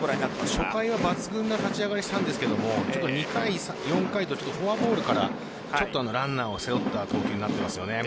初回が抜群の立ち上がりなんですが２回、４回とフォアボールからランナーを背負った投球になっていますよね。